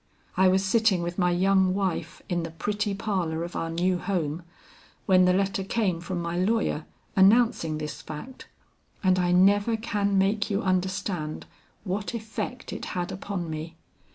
"I was sitting with my young wife in the pretty parlor of our new home, when the letter came from my lawyer announcing this fact, and I never can make you understand what effect it had upon me.